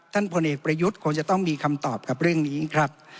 พลเอกประยุทธ์คงจะต้องมีคำตอบกับเรื่องนี้ครับ